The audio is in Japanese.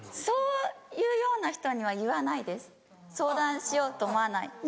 そういうような人には言わないです。相談しようと思わない。